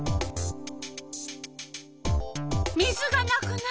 水がなくなった。